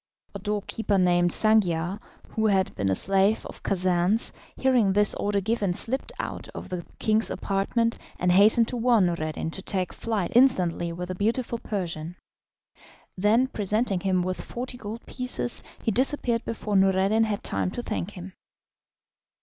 A doorkeeper, named Sangiar, who had been a slave of Khacan's, hearing this order given, slipped out of the king's apartment, and hastened to warn Noureddin to take flight instantly with the beautiful Persian. Then, presenting him with forty gold pieces, he disappeared before Noureddin had time to thank him.